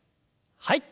はい。